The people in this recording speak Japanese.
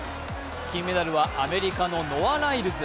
金メダルはアメリカのノア・ライルズ。